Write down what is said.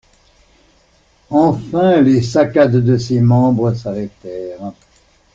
Enfin, les saccades de ses membres s'arrêtèrent.